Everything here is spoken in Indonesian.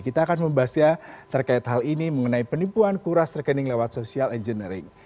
kita akan membahasnya terkait hal ini mengenai penipuan kuras rekening lewat social engineering